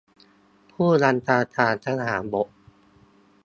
ผู้บัญชาการทหารบก